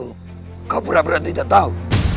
kau pura pura tidak tahu